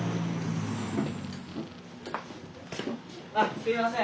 あすいません。